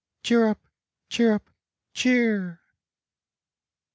Cheer up, cheer up, cheer!